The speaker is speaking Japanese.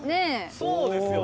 「そうですよね」